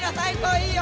いいよ！